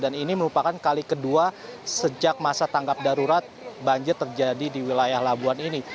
dan ini merupakan kali kedua sejak masa tangkap darurat banjir terjadi di wilayah labuan ini